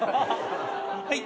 はい。